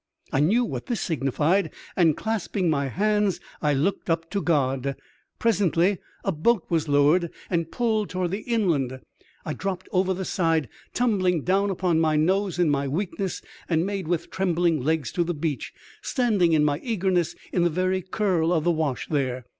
I knew what this signified, and, clasping my hands, I looked up to God. Presently a boat was lowered and pulled towards the inland. I dropped over the side, tumbling down upon my nose in my weakness, and made with trembling legs to the beach, standing in my eagerness in the very curl of the wash there.